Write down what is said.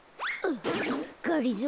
がりぞー